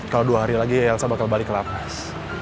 kalau dua hari lagi ya elsa bakal balik ke lapas